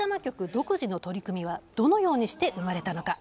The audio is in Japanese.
独自の取り組みはどのようにして生まれたのか？